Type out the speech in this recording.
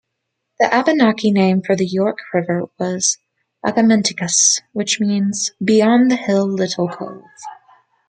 The Abenaki name for the York River was "Agamenticus", which means "Beyond-the-hill-little-cove".